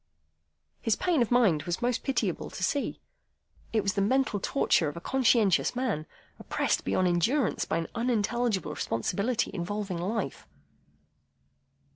His pain of mind was most pitiable to see. It was the mental torture of a conscientious man, oppressed beyond endurance by an unintelligible responsibility involving life.